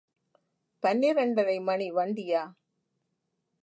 பன்னிரண்டரை மணி வண்டியா?